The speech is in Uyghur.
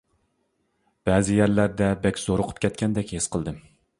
بەزى يەرلەردە بەك زورۇقۇپ كەتكەندەك ھېس قىلدىم.